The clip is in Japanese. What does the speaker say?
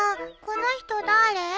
この人誰？